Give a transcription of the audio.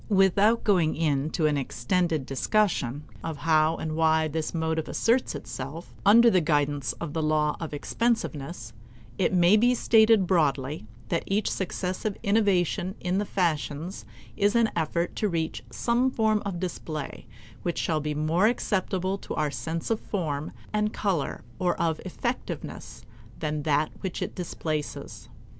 Without going into an extended discussion of how and why this motive asserts itself under the guidance of the law of expensiveness, it may be stated broadly that each successive innovation in the fashions is an effort to reach some form of display which shall be more acceptable to our sense of form and color or of effectiveness, than that which it displaces.